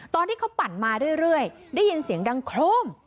ตอนที่เขาปั่นมาเรื่อยได้ยินเสียงดังโครม